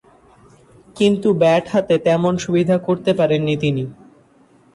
কিন্তু ব্যাট হাতে তেমন সুবিধা করতে পারেননি তিনি।